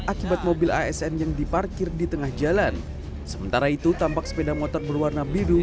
akibat mobil asn yang diparkir di tengah jalan sementara itu tampak sepeda motor berwarna biru